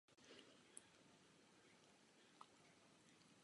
Jsou již vyřazeny.